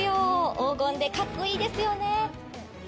黄金でかっこいいですよね。